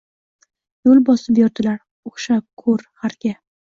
Yoʻl bosib yurdilar oʻxshab koʻr, gʻarga –